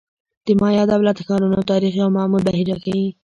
د مایا دولت-ښارونو تاریخ یو معمول بهیر راښيي.